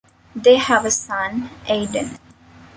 They have a son, Aidan.